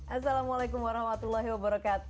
assalamualaikum wr wb